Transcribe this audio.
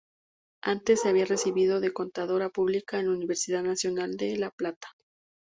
Antes se había recibido de Contadora Pública en la Universidad Nacional de La Plata.